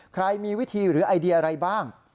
ใครมีวิธีหรือไอเดียอะไรบ้าง